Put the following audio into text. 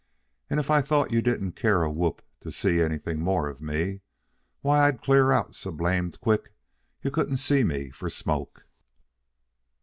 And if I thought you didn't care a whoop to see anything more of me, why, I'd clear out so blamed quick you couldn't see me for smoke."